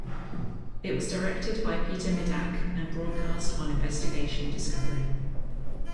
It was directed by Peter Medak and broadcast on Investigation Discovery.